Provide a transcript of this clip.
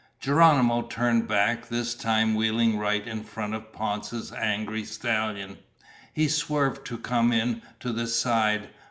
Geronimo turned back, this time wheeling right in front of Ponce's angry stallion. He swerved to come in to the side.